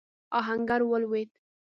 آهنګر ولوېد.